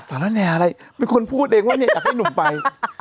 สารแนอะไรเป็นคนพูดเองว่าเนี่ยอยากให้หนุ่มไป